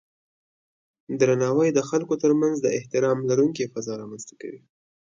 درناوی د خلکو ترمنځ د احترام لرونکی فضا رامنځته کوي.